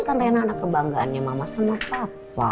karena anak kebanggaannya mama sama papa